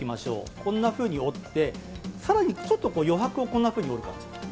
こんなふうに折って、さらにちょっとこう、余白をこんなふうに折る感じ。